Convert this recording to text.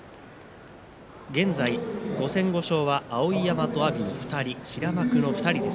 現在５戦５勝は碧山と阿炎の２人です。